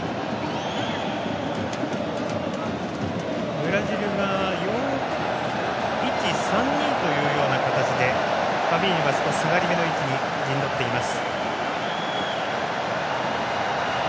ブラジルが４−１−３−２という形でファビーニョが少し下がりめの位置に陣取っています。